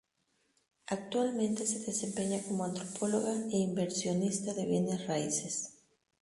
Actualmente se desempeña como antropóloga e inversionista de bienes raíces.